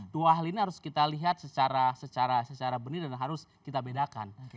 dua hal ini harus kita lihat secara benar dan harus kita bedakan